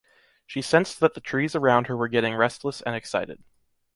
She sensed that the trees around her were getting restless and excited.